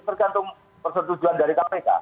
tergantung persetujuan dari kpk